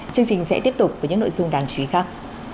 chương trình sẽ tiếp tục với những nội dung đáng chú ý khác